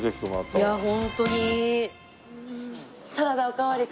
いやホントに。